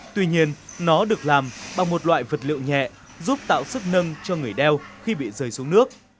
tuy nhiên nó được làm bằng một loại vật liệu nhẹ giúp tạo sức nâng cho người đeo khi bị rơi xuống nước